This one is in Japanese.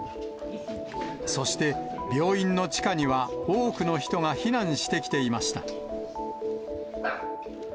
そして、病院の地下には、多くの人が避難してきていました。